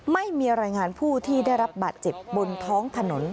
ไม่มีรายงานผู้ที่ได้รับบาดเจ็บบนท้องถนน